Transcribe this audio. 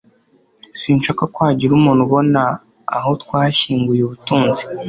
Sinshaka ko hagira umuntu ubona aho twashyinguye ubutunzi.